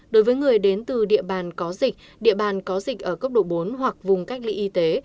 đối với người đến từ địa bàn có dịch địa bàn có dịch ở cấp độ bốn hoặc vùng cách ly y tế